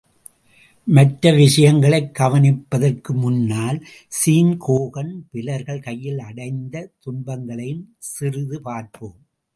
மற்ற விஷயங்களைக் கவனிப்பதற்கு முன்னால் ஸீன் ஹோகன், பிலர்கள் கையில் அடைந்த துன்பங்களைச் சிறிது பார்ப்போம்.